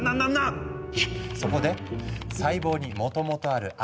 そこで細胞にもともとあるＲＮＡ